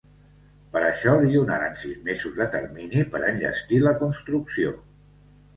Per això, li donaren sis mesos de termini per enllestir la construcció.